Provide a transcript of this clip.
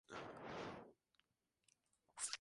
En la umbra, no existe radiación solar directa.